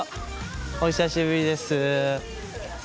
お久しぶりです